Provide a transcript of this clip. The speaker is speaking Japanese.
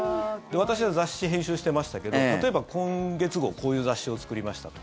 私は雑誌、編集してましたけど例えば今月号こういう雑誌を作りましたと。